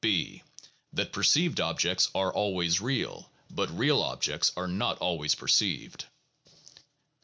B. That perceived objects are always real, but real objects are not always perceived.